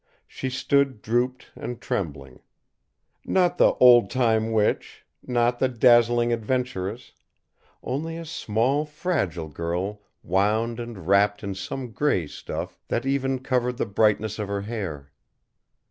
She stood drooped and trembling; not the old time witch, not the dazzling adventuress, only a small fragile girl wound and wrapped in some gray stuff that even covered the brightness of her hair.